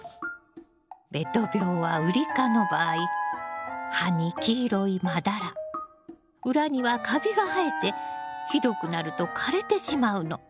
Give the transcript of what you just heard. べと病はウリ科の場合葉に黄色いまだら裏にはカビが生えてひどくなると枯れてしまうの。